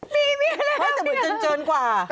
ลองเจินกว่า